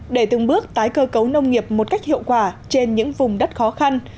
để từng bước tái cơ cấu nông nghiệp một cách hiệu quả trên những vùng đất khó khăn